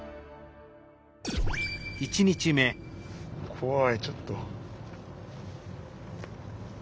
怖いちょっと。